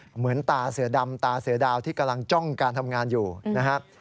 เหมือนตาเสือดำตาเสือดาวที่กำลังจ้องการทำงานอยู่นะครับ